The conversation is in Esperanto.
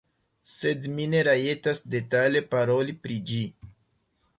Sed mi ne rajtas detale paroli pri ĝi.